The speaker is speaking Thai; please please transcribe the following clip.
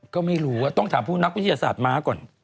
ก็ไม่รู้ต้องถามผู้นักวิทยาศาสตร์ม้าก่อน